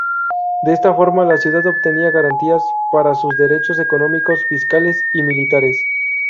De esta forma la ciudad obtenía garantías para sus derechos económicos, fiscales y militares.